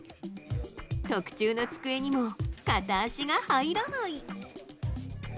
特注の机にも片足が入らない。